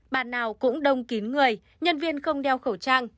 bạn nào cũng đông kín người nhân viên không đeo khẩu trang